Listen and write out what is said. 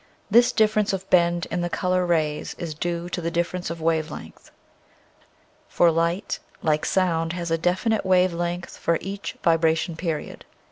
This difference of bend in the color rays is due to the difference of wave length. For light, like sound, has a definite wave length for each vi bration period.